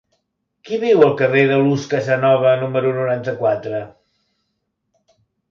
Qui viu al carrer de Luz Casanova número noranta-quatre?